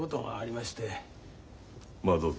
まあどうぞ。